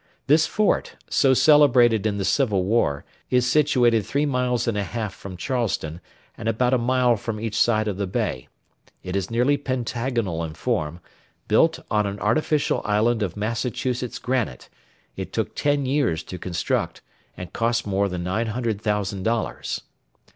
This fort, so celebrated in the civil war, is situated three miles and a half from Charleston, and about a mile from each side of the bay: it is nearly pentagonal in form, built on an artificial island of Massachusetts granite; it took ten years to construct and cost more than 900,000 dollars.